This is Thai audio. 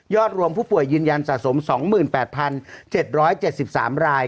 รวมผู้ป่วยยืนยันสะสม๒๘๗๗๓ราย